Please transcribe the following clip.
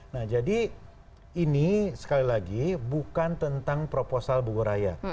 nah jadi ini sekali lagi bukan tentang proposal bogoraya